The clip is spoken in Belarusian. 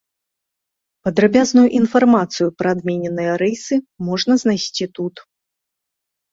Падрабязную інфармацыю пра адмененыя рэйсы можна знайсці тут.